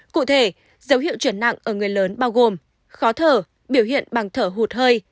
cụ thể dấu hiệu chuyển nặng ở người lớn bao gồm khó thở biểu hiện bằng thở hụt hơi